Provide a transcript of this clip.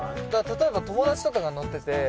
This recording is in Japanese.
例えば友だちとかが乗ってて